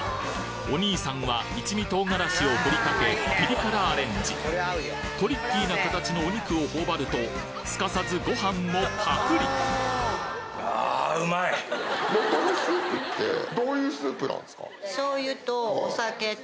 お兄さんは一味唐辛子を振りかけピリ辛アレンジトリッキーな形のお肉を頬張るとすかさずご飯もパクリほんと不思議。